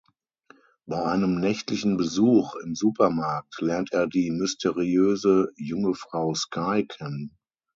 Bei einem nächtlichen Besuch im Supermarkt lernt er die mysteriöse junge Frau Sky kennen.